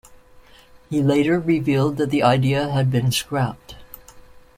He later revealed that the idea had been scrapped.